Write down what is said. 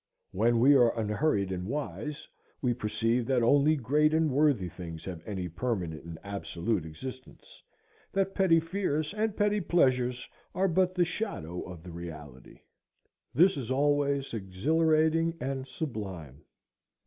When we are unhurried and wise, we perceive that only great and worthy things have any permanent and absolute existence,—that petty fears and petty pleasures are but the shadow of the reality. This is always exhilarating and sublime.